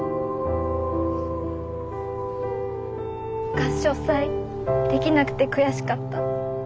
合唱祭できなくて悔しかった。